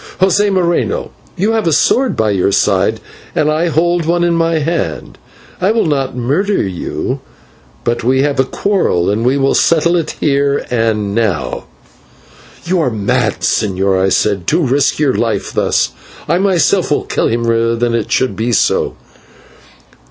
José Moreno, you have a sword by your side and I hold one in my hand; I will not murder you, but we have a quarrel, and we will settle it here and now." "You are mad, señor," I said, "to risk your life thus, I myself will kill him rather than it should be so."